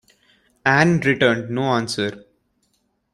Anne returned no answer.